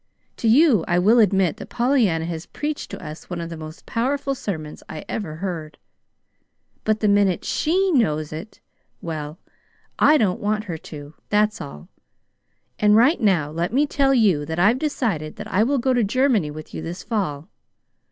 To you I will admit that Pollyanna has preached to us one of the most powerful sermons I ever heard; but the minute SHE knows it well, I don't want her to. That's all. And right now let me tell you that I've decided that I will go to Germany with you this fall.